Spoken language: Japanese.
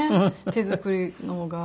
手作りのが。